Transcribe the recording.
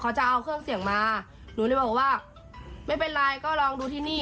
เขาจะเอาเครื่องเสียงมาหนูเลยบอกว่าไม่เป็นไรก็ลองดูที่นี่